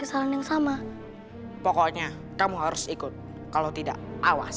kesalahan yang sama pokoknya kamu harus ikut kalau tidak awas